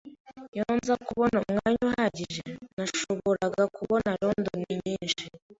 Iyo nza kubona umwanya uhagije, nashoboraga kubona London nyinshi.